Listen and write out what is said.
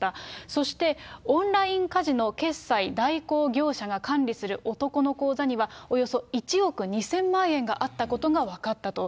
そしてオンラインカジノ決済代行業者が管理する男の口座にはおよそ１億２０００万円があったことが分かったと。